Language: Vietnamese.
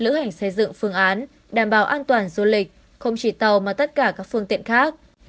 lữ hành xây dựng phương án đảm bảo an toàn du lịch không chỉ tàu mà tất cả các phương tiện khác